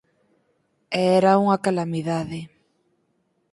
E era unha calamidade.